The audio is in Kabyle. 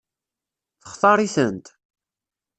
Textaṛ-itent?